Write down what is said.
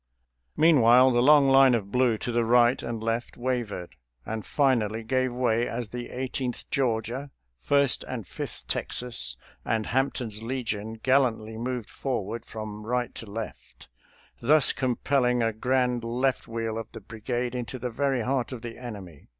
»•♦ Meantime, the long line of blue to the right and left wavered, and finally gave way as the Eight eenth Georgia, First and Fifth Texas, and Hampton's Legion gallantly moved forward from right to left, thus compelling a grand left wheel of the brigade into the very heart of the enemy.